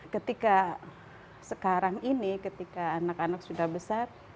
ketika sekarang ini ketika anak anak sudah besar